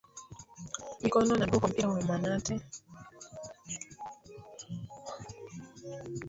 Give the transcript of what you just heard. mikono na miguu kwa mpira wa manati